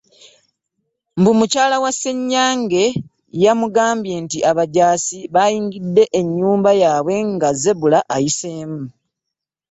Mbu mukyala wa Ssenyange yamugambye nti abajaasi baayingidde ennyumba yaabwe nga Zebra ayiseemu.